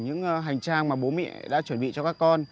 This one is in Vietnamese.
những hành trang mà bố mẹ đã chuẩn bị cho các con